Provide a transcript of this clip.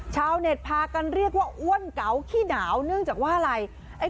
ชาวเน็ตพากันเรียกว่าอ้วนเก๋าขี้หนาวเนื่องจากว่าอะไร